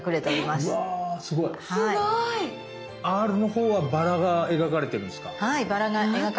すごい！「Ｒ」のほうはバラが描かれてるんですか。